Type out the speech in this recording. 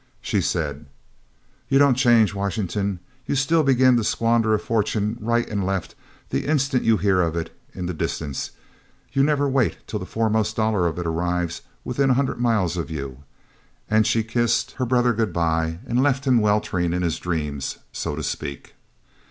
She said: "You don't change, Washington. You still begin to squander a fortune right and left the instant you hear of it in the distance; you never wait till the foremost dollar of it arrives within a hundred miles of you," and she kissed her brother good bye and left him weltering in his dreams, so to speak.